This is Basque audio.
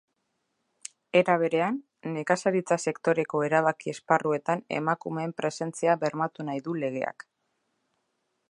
Era berean, nekazaritza sektoreko erabaki esparruetan emakumeen presentzia bermatu nahi du legeak.